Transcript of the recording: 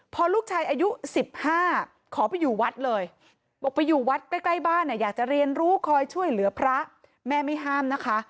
พอลูกชายอายุ๑๕ขอไปอยู่วัดเลยบอกไปอยู่วัดใกล้บ้านอยากจะเรียนรู้คอยช่วยเหลือพระแม่ไม่ห้ามนะคะ